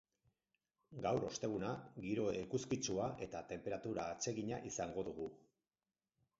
Gaur, osteguna, giro eguzkitsua eta tenperatura atsegina izango dugu.